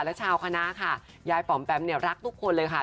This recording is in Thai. และชาวคณะค่ะยายปอมแปมเนี่ยรักทุกคนเลยค่ะ